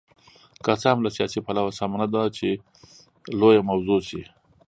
که څه هم له سیاسي پلوه سمه نه ده چې لویه موضوع شي.